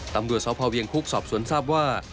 ตำรวจสพเวียงคุกสอบสวนทราบว่า